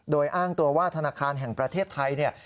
โดยอ้างตัวว่าธนาคารแห่งประเทศไทยเนี่ย